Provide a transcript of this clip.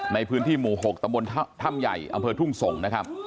ในพื้นที่หมู่๖ตำบลถ้ำใหญ่อำเภอทุ่งส่งนะครับ